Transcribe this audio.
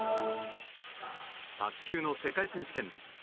卓球の世界選手権。